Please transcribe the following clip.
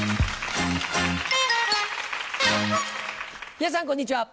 皆さんこんにちは。